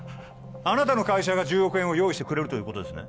あなたの会社が１０億円を用意してくれるということですね